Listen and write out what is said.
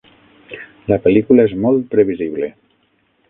La pel·lícula és molt previsible.